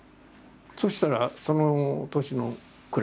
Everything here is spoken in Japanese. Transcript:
そしたらその年の暮れ。